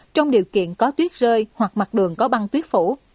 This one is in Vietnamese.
trong điều kiện có tuyết rơi hoặc mặt đường có băng tuyết phủ